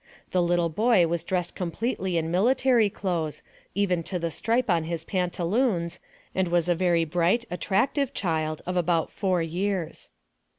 The little boy was dressed completely in military clothes, even to the stripe on his pantaloons, AMONG THE SIOUX INDIANS. 85 and was a very bright, attractive child of about four years.